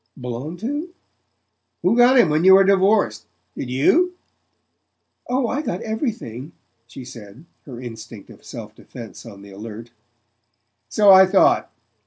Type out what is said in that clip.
"Belong to?" "Who got him when you were divorced? Did you?" "Oh, I got everything," she said, her instinct of self defense on the alert. "So I thought."